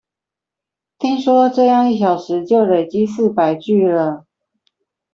聽說這樣一小時就累積四百句了